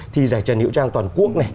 thi giải trần hiệu trang toàn quốc